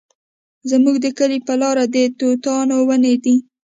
زموږ د کلي په لاره د توتانو ونې دي